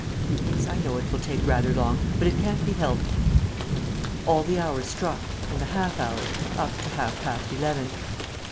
. Yes, I know, it will take rather long ... but it can't be helped." All the hours struck and the half hours, up to half past eleven.